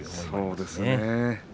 そうですね。